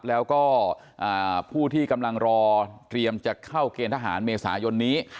แล้วก็ผู้ที่กำลังรอเตรียมจะเข้าเกณฑ์ทหารเมษายนนี้